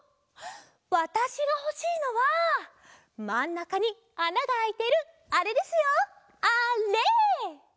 わたしがほしいのはまんなかにあながあいてるあれですよあれ。